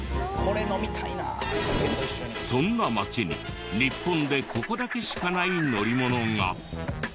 そんな町に日本でここだけしかない乗り物が。